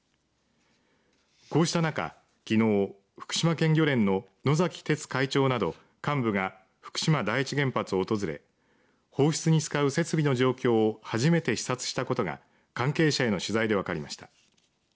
こうした中、きのう福島県漁連の野崎哲会長など幹部が福島第一原発を訪れ放出に使う設備の状況を初めて視察したことが関係者への取材で分かりました。